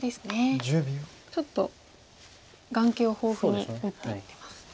ちょっと眼形を豊富に打っていってます。